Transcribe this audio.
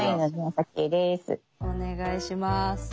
お願いします。